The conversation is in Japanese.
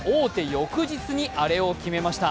翌日にアレを決めました。